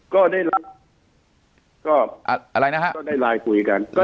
ก็ได้ไลน์คุยกัน